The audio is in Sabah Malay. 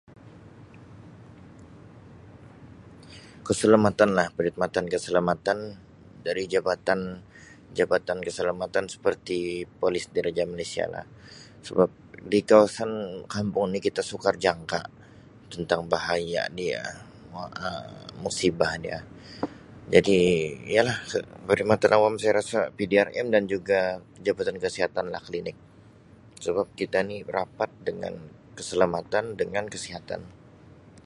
Keselamatanlah, perkhidmatan keselamatan dari jabatan-jabatan keselamatan seperti polis diraja Malaysia lah sebab di kawasan kampung ni kita sukar jangka tentang bahaya dia mo-[Um]-musibah dia jadi ialah perkhidmatan awam saya rasa PDRM dan juga jabatan kesihatanlah klinik sebab kita ni rapat dengan keselamatan dengan kesihatan.